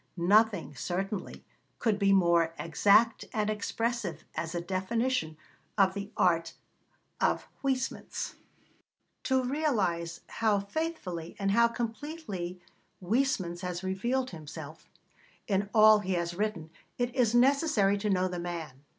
Nothing, certainly, could be more exact and expressive as a definition of the art of Huysmans. To realise how faithfully and how completely Huysmans has revealed himself in all he has written, it is necessary to know the man.